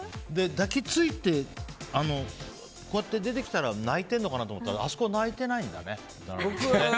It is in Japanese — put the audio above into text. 抱き付いて、出てきたら泣いてるのかなと思ったらあそこは泣いてないんだね。